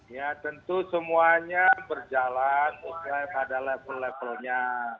ya tentu semuanya berjalan pada level levelnya